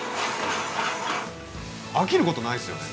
飽きることないですよね。